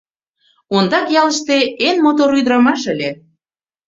— Ондак ялыште эн мотор ӱдырамаш ыле.